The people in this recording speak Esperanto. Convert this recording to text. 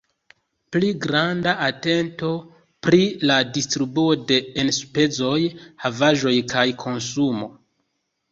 Pli granda atento pri la distribuo de enspezoj, havaĵoj kaj konsumo.